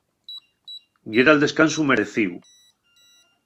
Yera'l descansu merecíu.